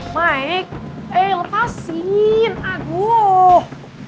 maik eh lepasin aguh